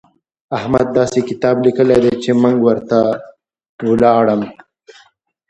احمد داسې کتاب ليکلی دی چې منګ ورته ولاړم.